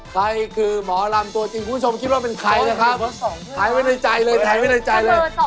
ใครคือหมอลำตัวจริงคุณผู้ชมคิดว่าเป็นใครนะครับถ่ายไว้ในใจเลยถ่ายไว้ในใจเลย